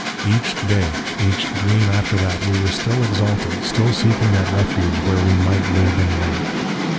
"Each day, each dream after that, we were still exalted, still seeking that refuge where we might live and love.